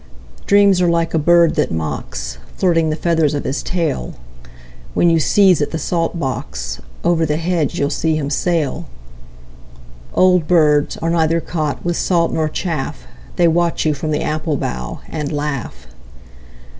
Dreams are like a bird that mocks, Flirting the feathers of his tail. When you sieze at the salt box, Over the hedge you'll see him sail. Old birds are neither caught with salt nor chaff: They watch you from the apple bough and laugh.